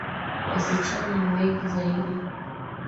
Wasichana ni wngi zaidi